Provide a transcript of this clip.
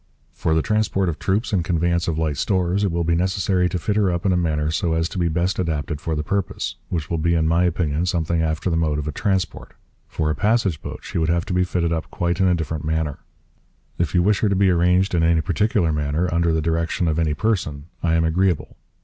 For the Transport of Troops and conveyance of light Stores, it will be necessary to fit her up in a manner so as to be best adapted for the purpose, which will be in my opinion something after the mode of a Transport. For a passage Boat she would have to be fitted up quite in a different manner. If you wish her to be arranged in any particular manner under the direction of any Person, I am agreeable.